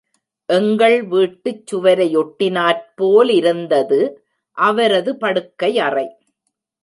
எங்கள் வீட்டுச் சுவரையொட்டினாற் போலிருந்தது அவரது படுக்கையறை.